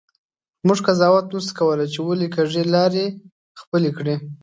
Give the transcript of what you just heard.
مونږ قضاوت نسو کولی چې ولي کږې لیارې خپلي کړي.